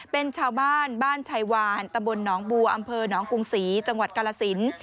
เป็นชาวบ้านบ้านชัยวานตำบลหนองบัวอำเภอหนองกรุงศรีจังหวัดกาลสิน